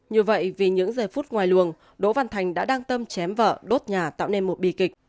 như vậy vì những giây phút ngoài luồng đỗ văn thành đã đăng tâm chém vợ đốt nhà tạo nên một bi kịch